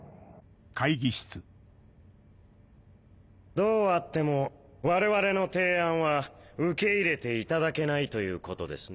どうあっても我々の提案は受け入れていただけないということですね。